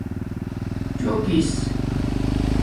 چُݸکس